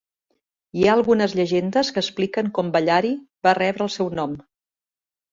Hi han algunes llegendes que expliquen com Ballari va rebre el seu nom.